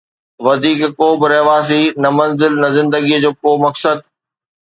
وڌيڪ ڪو به رهواسي، نه منزل، نه زندگيءَ جو ڪو مقصد.